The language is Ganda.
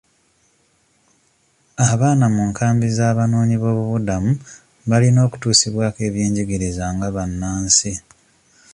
Abaana mu nkambi z'abanoonyi b'obubuddamu balina okutuusibwako eby'enjigiriza nga bannansi.